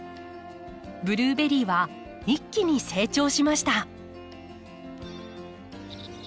ブルーベリーは一気に成長しました。